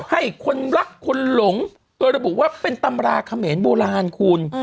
ให้คนรักคนหลงเป็นตำราเขมนโบราณคุณ